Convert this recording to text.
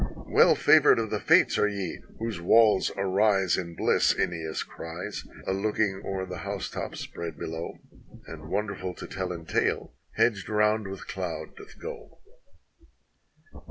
"Well favored of the Fates are ye, whose walls arise in bliss!" iEneas cries, a looking o'er the housetops spread be low; Then, wonderful to tell in tale, hedged round with cloud doth go.